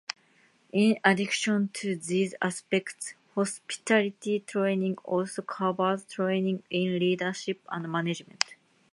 In addition to these aspects, hospitality training also covers training in leadership and management.